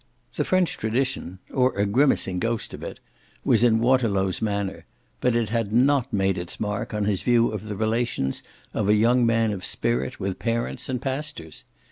The French tradition, or a grimacing ghost of it, was in Waterlow's "manner," but it had not made its mark on his view of the relations of a young man of spirit with parents and pastors.